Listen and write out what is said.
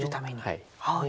はい。